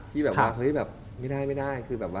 ที่แบบว่าเฮ้ยแบบไม่ได้ไม่ได้